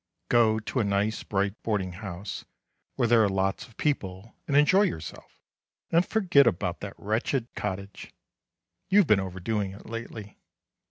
Go to a nice bright boarding house, where there are lots of people, and enjoy yourself; and forget about that wretched cottage. You've been overdoing it lately.